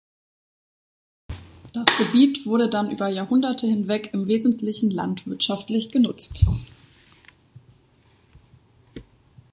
Das Gebiet wurde dann über Jahrhunderte hinweg im Wesentlichen landwirtschaftlich genutzt.